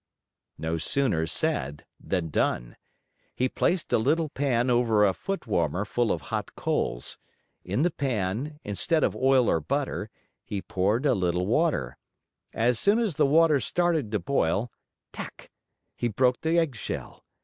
No sooner said than done. He placed a little pan over a foot warmer full of hot coals. In the pan, instead of oil or butter, he poured a little water. As soon as the water started to boil tac! he broke the eggshell.